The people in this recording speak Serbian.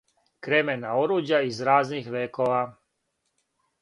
Кремена оруђа из разних векова